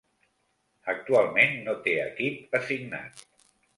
Actualment no té equip assignat.